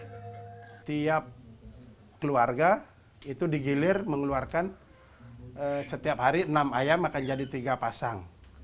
setiap keluarga itu digilir mengeluarkan setiap hari enam ayam akan jadi tiga pasang